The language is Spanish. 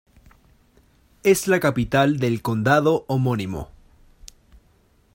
Es la capital del condado homónimo.